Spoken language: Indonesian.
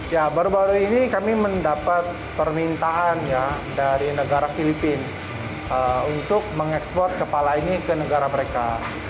ya baru baru ini kami mendapat permintaan dari negara filipina untuk mengekspor kepala ini ke negara mereka